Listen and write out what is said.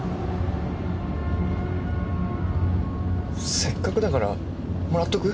せっかくだからもらっとく？